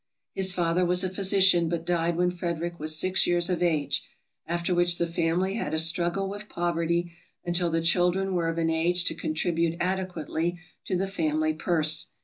His father was a physician, but died when Frederick was six years of age, after which the family had a struggle with poverty until the children were of an age to con tribute adequately to the family purse.